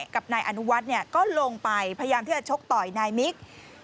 กับนายอนุวัฒน์ก็ลงไปพยายามที่จะชกต่อยนายมิก